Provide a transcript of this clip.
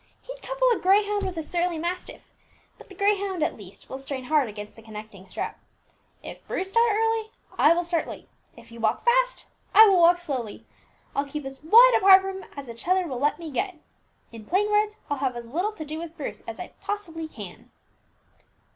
He'd couple a greyhound with a surly mastiff; but the greyhound, at least, will strain hard against the connecting strap. If Bruce start early, I will start late; if he walk fast, I will walk slowly; I'll keep as wide apart from him as the tether will let me get; in plain words, I'll have as little to do with Bruce as I possibly can."